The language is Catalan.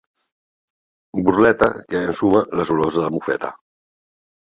Burleta que ensuma les olors de la mofeta.